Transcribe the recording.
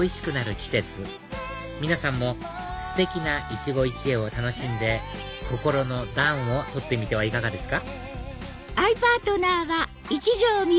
季節皆さんもステキな一期一会を楽しんで心の暖を取ってみてはいかがですか？